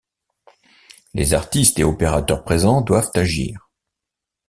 Les artistes et opérateurs présents doivent agir.